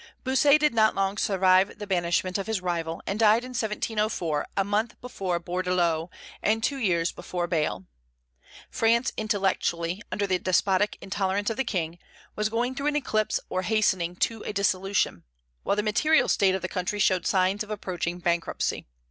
Bossuet did not long survive the banishment of his rival, and died in 1704, a month before Bourdaloue, and two years before Bayle. France intellectually, under the despotic intolerance of the King, was going through an eclipse or hastening to a dissolution, while the material state of the country showed signs of approaching bankruptcy.